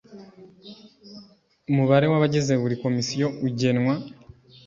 umubare w abagize buri komisiyo ugenwa